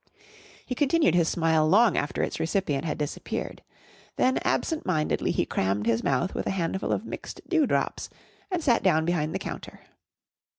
He continued his smile long after its recipient had disappeared. Then absent mindedly he crammed his mouth with a handful of Mixed Dew Drops and sat down behind the counter.